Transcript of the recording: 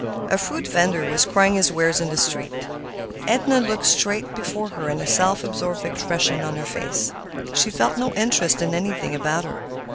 A fruit vender was crying his wares in the street. Edna looked straight before her with a self absorbed expression upon her face. She felt no interest in anything about her.